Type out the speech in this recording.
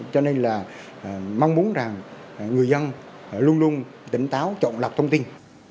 cho nên là mong muốn rằng người dân luôn luôn tỉnh táo chọn lọc thông tin